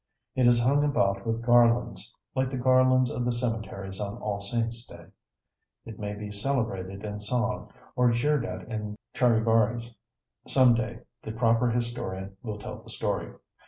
It is hung about with garlands, like the garlands of the cemeteries on All Saints Day; it may be celebrated in song, or jeered at in charivaris. Some day, the proper historian will tell the story.